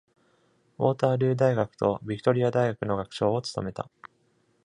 ウォータールー大学とビクトリア大学の学長を務めた。